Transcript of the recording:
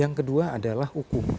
yang kedua adalah hukum